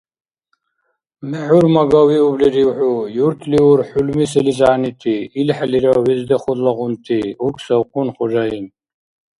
— МехӀур-мага виублирив хӀу? Юртлиур хӀулми селис гӀягӀнити, илхӀелира вездеходлагъунти?! — уркӀсавхъун хужаим.